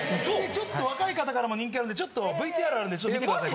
ちょっと若い方からも人気あるんでちょっとＶＴＲあるんでちょっと見てください